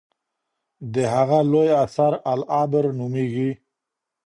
د هغه لوی اثر العبر نومېږي.